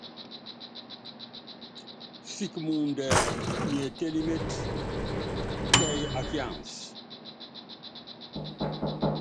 Sɔ́k muundɛ nyi etélíméte káyií ákiansɛ?